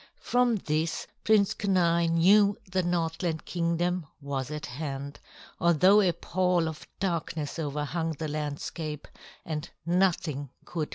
From this, Prince Kenai knew the Northland Kingdom was at hand, although a pall of darkness overhung the landscape, and nothing could be seen.